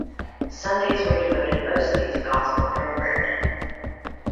Sundays were devoted mostly to gospel programming.